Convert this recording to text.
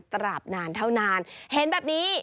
ตราบนานเท่านานเห็นแบบนี้